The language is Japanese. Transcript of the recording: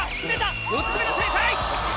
４つ目の正解！